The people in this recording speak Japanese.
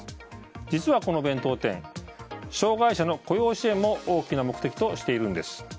実は、この弁当店障害者の雇用支援も大きな目的としているんです。